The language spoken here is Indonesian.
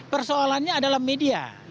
persoalannya adalah media